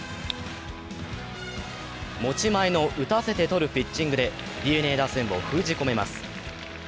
持ち前の打たせて取るピッチングで、ＤｅＮＡ打線を封じ込めます。